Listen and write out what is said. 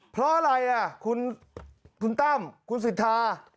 เพราะอะไรคุณตั้มคุณสิทธา